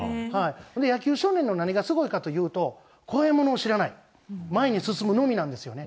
ほんで野球少年の何がすごいかというと、怖いものを知らない、前に進むのみなんですよね。